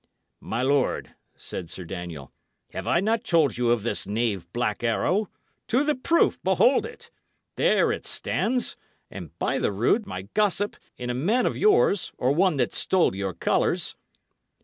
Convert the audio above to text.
"My lord," said Sir Daniel, "have I not told you of this knave Black Arrow? To the proof, behold it! There it stands, and, by the rood, my gossip, in a man of yours, or one that stole your colours!"